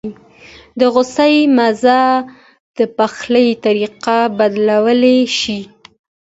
د غوښې مزه د پخلي طریقه بدلولی شي.